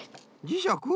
じしゃく？